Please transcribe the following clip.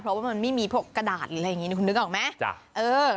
เพราะว่ามันไม่มีพวกกระดาษหรืออะไรอย่างนี้คุณนึกออกไหม